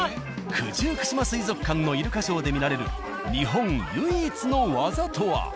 九十九島水族館のイルカショーで見られる日本唯一の技とは？